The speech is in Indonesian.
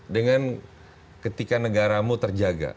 dengan ketika negaramu terjaga